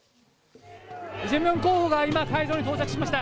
イ・ジェミョン候補が今、会場に到着しました。